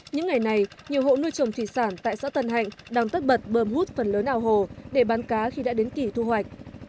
những ngày này nhiều hộ nuôi trồng thủy sản tại xã tân hạnh đang tất bật bơm hút phần lớn ao hồ để bán cá khi đã đến kỷ thu hoạch